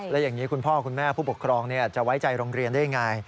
แล้วอย่างนี้คุณพ่อคุณแม่ผู้ปกครองจะไว้ใจโรงเรียนได้ยังไง